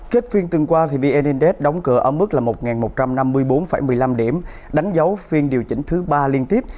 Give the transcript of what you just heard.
kết phiên tuần qua vn index đóng cửa ở mức là một một trăm năm mươi bốn một mươi năm điểm đánh dấu phiên điều chỉnh thứ ba liên tiếp